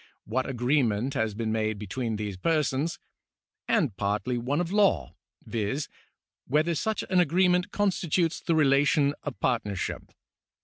what agreement has been made between these persons), and partly one of law (viz., whether such an agreement constitutes the relation of partnership).